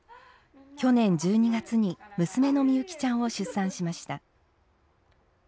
去年１２月に娘の美幸ちゃんを出産しました。